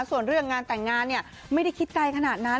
ส่วนเรื่องงานแต่งงานเนี่ยไม่ได้คิดไกลขนาดนั้น